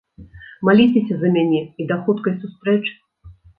Маліцеся за мяне і да хуткай сустрэчы.